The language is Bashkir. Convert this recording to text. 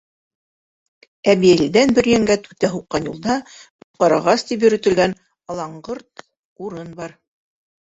Әбйәлилдән Бөрйәнгә түтә һуҡҡан юлда Өс ҡарағас тип йөрөтөлгән алаңғырт урын бар.